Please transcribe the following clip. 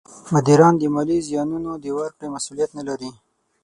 مدیران د مالي زیانونو د ورکړې مسولیت نه لري.